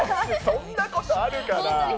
そんなことあるかな。